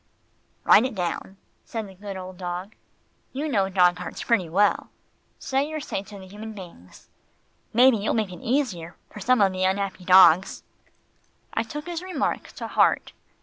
"Write it down," said the good old dog. "You know dog hearts pretty well. Say your say to the human beings. Maybe you'll make it easier for some of the unhappy dogs." I took his remark to heart.